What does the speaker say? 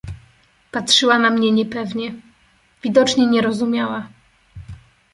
"Patrzyła na mnie niepewnie; widocznie nie rozumiała."